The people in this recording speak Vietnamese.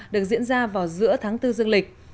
được diễn ra vào giữa tháng bốn dương lịch